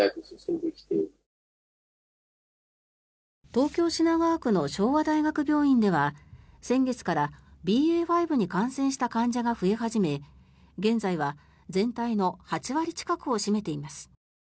東京・品川区の昭和大学病院では先月からＢＡ．５に感染した患者が増え始め現在は全体の８割近くを占めています。